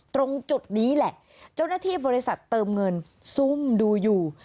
ตรงจุดนี้แหละเจ้าหน้าที่บริษัทเติมเงินซุ่มดูอยู่